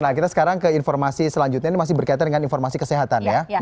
nah kita sekarang ke informasi selanjutnya ini masih berkaitan dengan informasi kesehatan ya